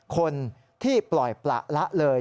คนที่ปล่อยประละเลย